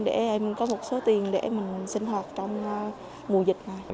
để em có một số tiền để mình sinh hoạt trong mùa dịch này